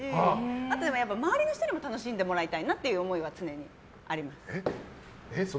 あと周りの人にも楽しんでもらいたいなっていう思いが常にあります。